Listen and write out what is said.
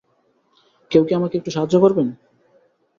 কেউ কি আমাকে একটু সাহায্য করবেন?